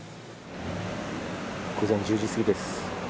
午前１０時過ぎです。